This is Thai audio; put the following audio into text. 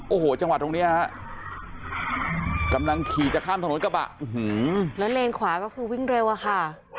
โอ้โหจังหวะตรงเนี้ยฮะกำลังขี่จะข้ามรถกระบะแล้วเลนขวาก็คือวิ่งเร็วอะค่ะ